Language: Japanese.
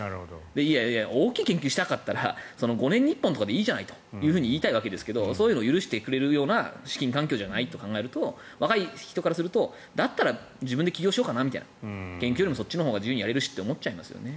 いやいや、大きい研究をしたかったら５年に１本でいいじゃないかと言いたいわけですけどそういうのを許してくれるような資金環境じゃないと考えると若い人からするとだったら自分で起業しようかな研究よりもそっちのほうが自由にやれるしって思っちゃいますよね。